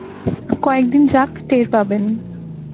কয়েক দিন যাক টের পাবেন।